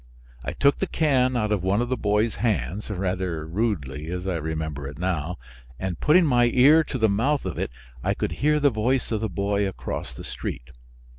I took the can out of one of the boy's hands (rather rudely as I remember it now), and putting my ear to the mouth of it I could hear the voice of the boy across the street.